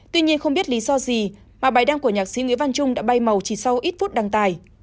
tuy nhiên không biết lý do gì mà bài đăng của nhạc sĩ nguyễn văn trung đã bay màu chỉ sau ít phút đăng tải